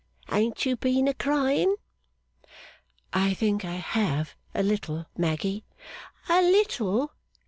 Ain't you been a crying!' 'I think I have, a little, Maggy.' 'A little!